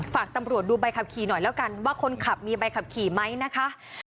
ฝากตำรวจดูใบขับขี่หน่อยแล้วกันว่าคนขับมีใบขับขี่ไหมนะคะ